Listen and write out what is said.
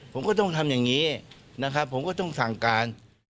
ผมก็ต้องทำอย่างนี้นะครับผมก็ต้องสั่งการ